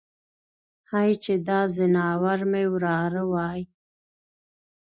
هی چې دا ځناور مې وراره وای.